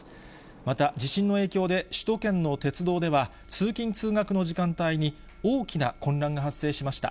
また、地震の影響で、首都圏の鉄道では、通勤・通学の時間帯に、大きな混乱が発生しました。